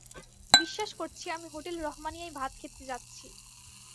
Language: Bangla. বিশ্বাস করছি, আমি হোটেল রহমানিয়ায় ভাত খেতে যাচ্ছি।